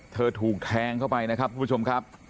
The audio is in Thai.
ถูกแทงเข้าไปนะครับทุกผู้ชมครับ